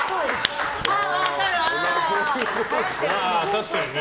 確かにね。